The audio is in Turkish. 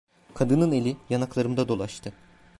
Kadının eli yanaklarımda dolaştı.